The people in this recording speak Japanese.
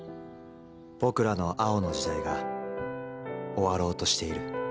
僕らの青の時代が終わろうとしている。